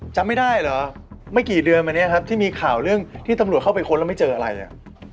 จำไม่ได้เหรอไม่กี่เดือนอันนี้ครับที่มีข่าวเรื่องที่ตำรวจเข้าไปค้นแล้วไม่เจออะไรอ่ะ